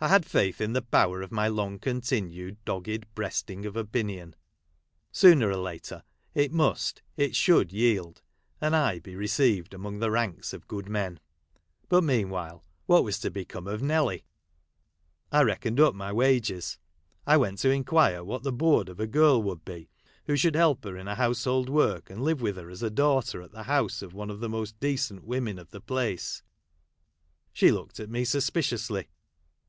I had faith in the power of my long continued dogged breasting of opinion. Sooner or later it must, it should, yield, and I be received among the ranks of good men. But, meanwhile, what was to Become of Nelly 'i I reckoned up my wages ; I went to inquire what the board of a girli would be, who should help hev in her house hold work, and live with her as a daughter, at'the house of one of the most decent women of the place ; she looked at me suspiciously.